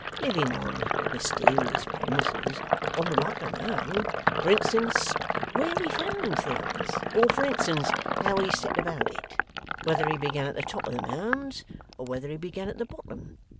Living on the mysterious premises, one would like to know. For instance, where he found things? Or, for instance, how he set about it? Whether he began at the top of the mounds, or whether he began at the bottom.